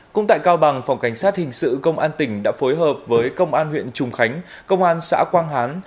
cũng tại cao bằng phòng cảnh sát hình sự công an tỉnh đã phối hợp với công an huyện trùng khánh công an xã quang hán